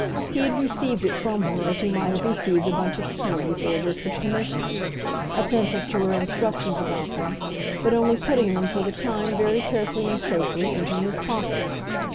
He had received it from her as he might have received a bunch of keys or a list of commissions attentive to her instructions about them, but only putting them, for the time, very carefully and safely, into his pocket.